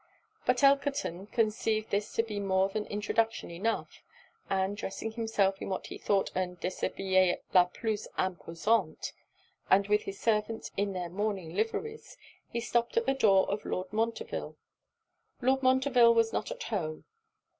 But Elkerton conceived this to be more than introduction enough; and dressing himself in what he thought un disabille la plus imposante, and with his servants in their morning liveries, he stopped at the door of Lord Montreville. 'Lord Montreville was not at home.'